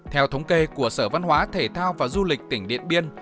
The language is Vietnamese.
theo thống kê của sở văn hóa thể thao và du lịch tỉnh điện biên